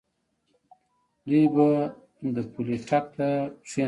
دوی به د پولۍ ټک ته کېناستل.